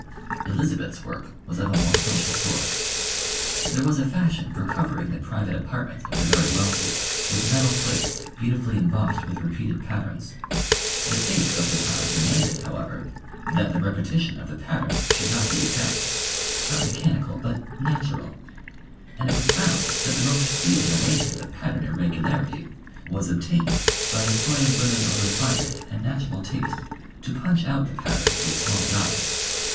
Elizabeth's work was of a more social sort. There was a fashion for covering the private apartments of the very wealthy with metal plates beautifully embossed with repeated patterns. The taste of the time demanded, however, that the repetition of the patterns should not be exact not mechanical, but "natural" and it was found that the most pleasing arrangement of pattern irregularity was obtained by employing women of refinement and natural taste to punch out the patterns with small dies.